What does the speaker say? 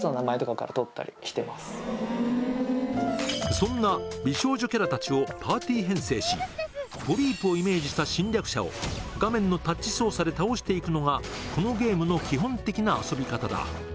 そんな美少女キャラたちをポリープをイメージした侵略者を画面のタッチ操作で倒して行くのがこのゲームの基本的な遊び方だ